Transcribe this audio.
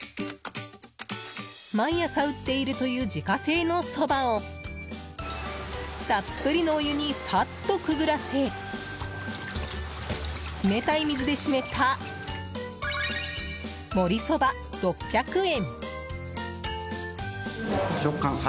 毎朝打っているという自家製のそばをたっぷりのお湯にさっとくぐらせ冷たい水で締めたもりそば、６００円。